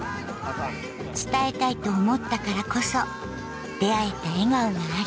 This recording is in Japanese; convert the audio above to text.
伝えたいと思ったからこそ出会えた笑顔がある。